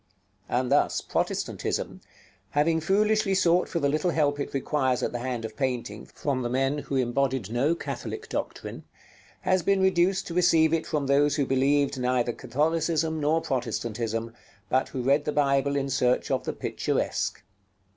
And thus Protestantism, having foolishly sought for the little help it requires at the hand of painting from the men who embodied no Catholic doctrine, has been reduced to receive it from those who believed neither Catholicism nor Protestantism, but who read the Bible in search of the picturesque.